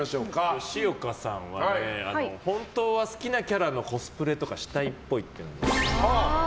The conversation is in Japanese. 吉岡さんは、本当は好きなキャラのコスプレとかしたいっぽい。